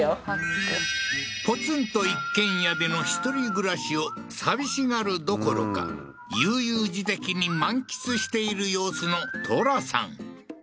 ポツンと一軒家での１人暮らしを寂しがるどころか悠々自適に満喫している様子のトラさん